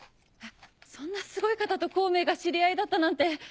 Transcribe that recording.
そんなすごい方と孔明が知り合いだったなんて。